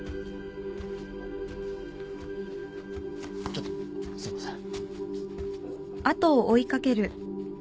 ちょっとすいません。